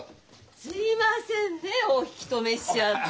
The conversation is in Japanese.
すいませんねお引き止めしちゃって。